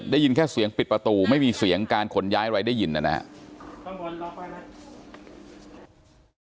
ได้ยินแค่เสียงปิดประตูไม่มีเสียงการขนย้ายอะไรได้ยินนะครับ